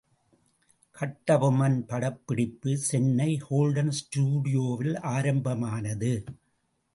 கட்டபொம்மன் படப்பிடிப்பு சென்னை கோல்டன் ஸ்டுடியோவில் ஆரம்பமானது.